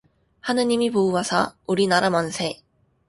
하느님이 보우하사 우리나라 만세